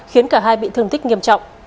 khiến cả hai bị thương tích nghiêm trọng